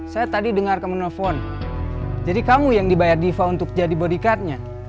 saya tadi dengar kamu nelfon jadi kamu yang dibayar diva untuk jadi body cardnya